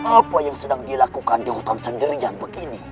apa yang sedang dilakukan di hutan sendirian begini